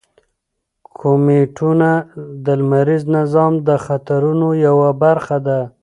کومیټونه د لمریز نظام د خطرونو یوه برخه ده.